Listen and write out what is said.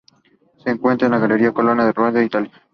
Se encuentra en la Galería Colonna de Roma, Italia.